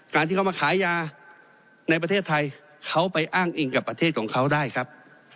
การที่เขามาขายยาในประเทศไทยเขาไปอ้างอิงกับประเทศของเขาได้ครับ